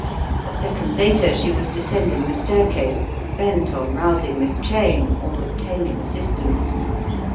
A second later she was descending the staircase, bent on rousing Miss Cheyne [or obtaining assist ance.